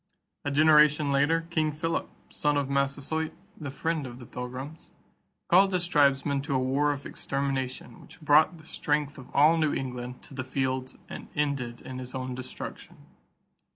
A generation later, King Philip, son of Massasoit, the friend of the Pilgrims, called his tribesmen to a war of extermination which brought the strength of all New England to the field and ended in his own destruction.